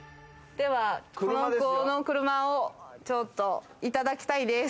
では、この車をちょっといただきたいです。